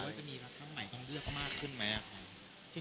ว่าจะมีรักครั้งใหม่ต้องเลือกมากขึ้นไหมครับ